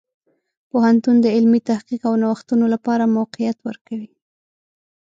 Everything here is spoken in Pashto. پوهنتون د علمي تحقیق او نوښتونو لپاره موقعیت ورکوي.